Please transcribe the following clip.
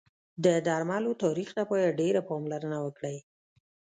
د درملو تاریخ ته باید ډېر پاملرنه وکړی